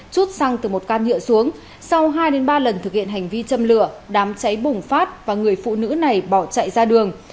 chút xăng từ một can nhựa xuống sau hai ba lần thực hiện hành vi châm lửa đám cháy bùng phát và người phụ nữ này bỏ chạy ra đường